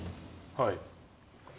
はい。